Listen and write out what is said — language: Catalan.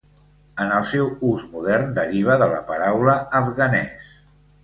En el seu ús modern deriva de la paraula afganès.